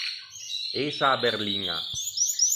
Ëse a-a berliña.